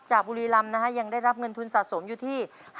บุรีรำนะฮะยังได้รับเงินทุนสะสมอยู่ที่